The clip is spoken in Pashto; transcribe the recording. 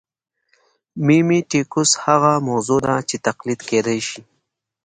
میمیټیکوس هغه موضوع ده چې تقلید کېدای شي